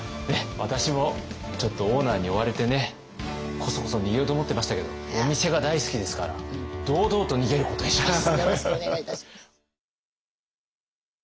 私もちょっとオーナーに追われてねこそこそ逃げようと思ってましたけどお店が大好きですから堂々と逃げることにします。